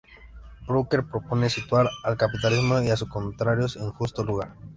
Bruckner propone situar al capitalismo y a sus contrarios en su justo lugar.